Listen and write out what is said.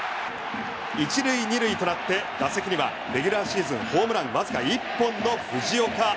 １塁２塁となって打席にはレギュラーシーズンホームランわずか１本の藤岡。